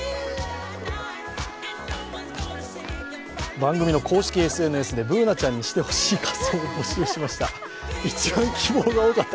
番組の公式ＳＮＳでＢｏｏｎａちゃんにしてほしい仮装を募集しました。